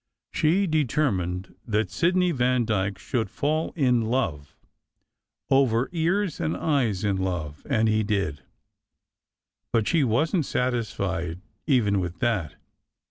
She determined that Sidney Vandyke should fall in love SECRET HISTORY 71 over ears and eyes in love and lie did. But she wasn t satisfied even with that.